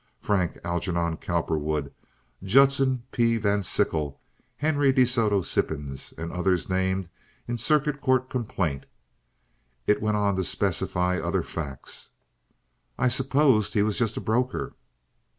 Frank Algernon Cowperwood, Judson P. Van Sickle, Henry De Soto Sippens, and others named in Circuit Court complaint." It went on to specify other facts. "I supposed he was just a broker."